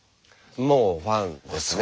もうファンですね。